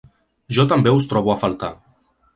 Jo també us trobo a faltar.